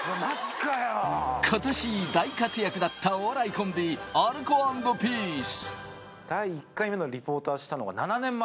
今年大活躍だったお笑いコンビ、アルコ＆ピース。